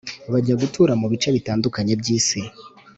Bajya gutura mu bice bitandukanye by isi